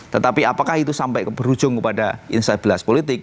tetapi apakah itu sampai berujung kepada instabilitas politik